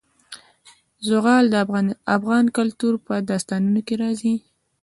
زغال د افغان کلتور په داستانونو کې راځي.